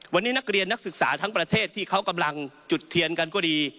วันนี้นักเรียนนักศึกษาทั้งประเทศที่เขากำลังจุดเทียนกันก็ดี